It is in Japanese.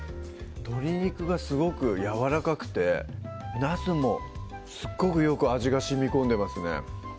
鶏肉がすごくやわらかくてなすもすっごくよく味がしみこんでますね